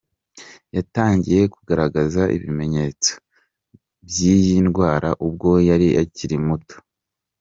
Yatangiye kugaragaza ibimenyetso by’iyi ndwara ubwo yari akiri muto.